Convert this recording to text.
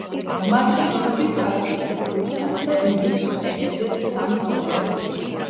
მათი შრომები ქართულ, რუსულ და ინგლისურ ენებზე, სამ ტომად.